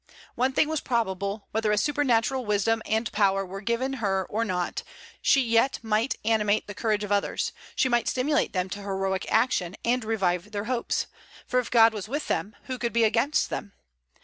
One thing was probable, whether a supernatural wisdom and power were given her or not, she yet might animate the courage of others, she might stimulate them to heroic action, and revive their hopes; for if God was with them, who could be against them?